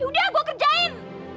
yaudah gue kerjain